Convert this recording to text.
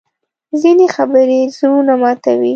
ځینې خبرې زړونه ماتوي